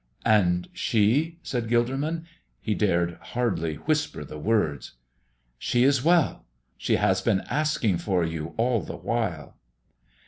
"And she?" said Gilderman. He dared hardly whisper the words. "She is well. She has been asking for you all the while."